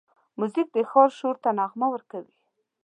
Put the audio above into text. موزیک د ښار شور ته نغمه ورکوي.